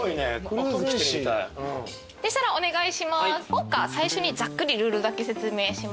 ポーカー最初にざっくりルールだけ説明します。